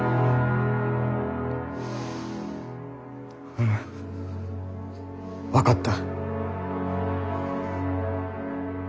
うむ分かった。